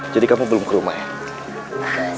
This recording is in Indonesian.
jadi kamu belum ke rumah ya